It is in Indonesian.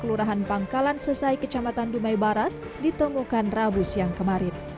kelurahan pangkalan sesai kecamatan dumai barat ditemukan rabu siang kemarin